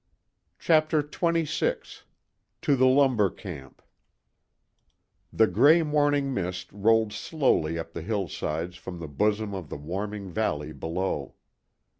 CHAPTER XXVI TO THE LUMBER CAMP The gray morning mist rolled slowly up the hillsides from the bosom of the warming valley below.